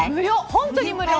本当に無料。